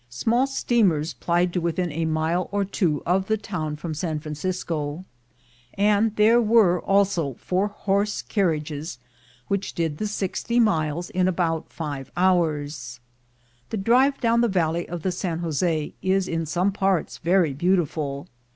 Small steamers plied to within a mile or two of the town from San Francisco, and there were also four horse coaches which did the sixty miles in about five hours. The drive down the valley of the San Jose is in some parts very beautiful.